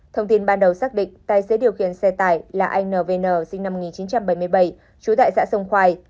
thông tin ban đầu xác định tài xế điều khiển xe tải là anh n v n sinh năm một nghìn chín trăm bảy mươi bảy chú tại xã sông khoai